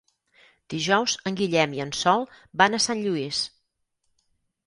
Dijous en Guillem i en Sol van a Sant Lluís.